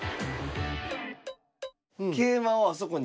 桂馬をあそこに。